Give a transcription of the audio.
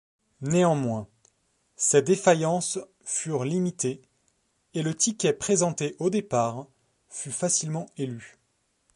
Néanmoins, ces défaillances furent limitées, et le ticket présenté au départ fut facilement élu.